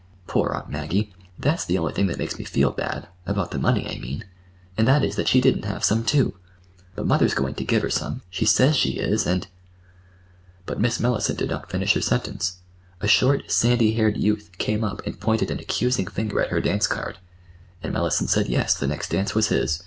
Poor Aunt Maggie! That's the only thing that makes me feel bad,—about the money, I mean,—and that is that she didn't have some, too. But mother's going to give her some. She says she is, and—" But Mellicent did not finish her sentence. A short, sandy haired youth came up and pointed an accusing finger at her dance card; and Mellicent said yes, the next dance was his.